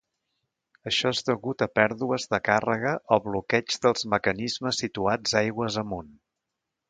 Això és degut a pèrdues de càrrega o bloqueig dels mecanismes situats aigües amunt.